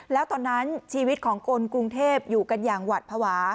แล้วตอนนั้นชีวิตของคนกรุงเทพอยู่กันอย่างหวัดภาวะ